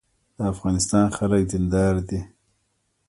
د افغانستان خلک دیندار دي